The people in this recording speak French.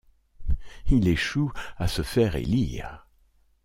Il échoue à se faire élire.